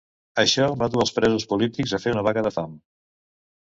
Això va dur els presos polítics a fer una vaga de fam.